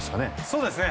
そうですね。